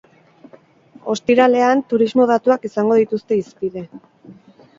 Ostiralean, turismo datuak izango dituzte hizpide.